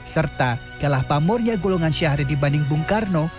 serta kalah pamurnya golongan syahrir dibanding bung karno